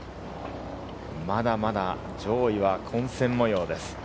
まだまだ上位は混戦模様です。